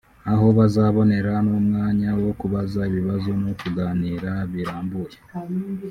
aho bazabonera n’umwanya wo kubaza ibibazo no kuganira birambuye